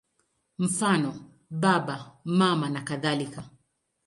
Mfano: Baba, Mama nakadhalika.